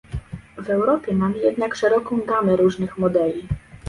W Europie mamy jednak szeroką gamę różnych modeli